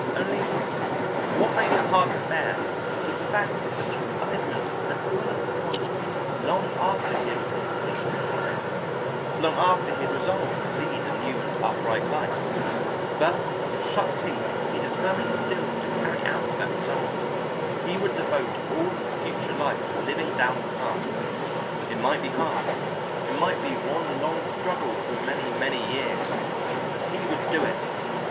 Only what made it hard to bear was the fact that the chastisement had fallen upon him long after he had repented of the crime, long after he had resolved to lead a new and upright life; but with shut teeth he determined still to carry out that resolve; he would devote all his future life to living down the past. It might be hard; it might be one long struggle through many, many years, but he would do it.